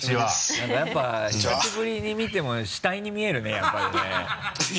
何かやっぱ久しぶりに見ても死体に見えるねやっぱりね。